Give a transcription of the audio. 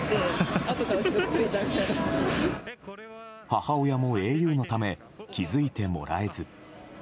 母親もａｕのため気づいてもらえず。